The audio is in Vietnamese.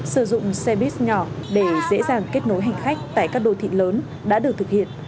sử dụng xe buýt nhỏ để dễ dàng kết nối hành khách tại các đô thị lớn đã được thực hiện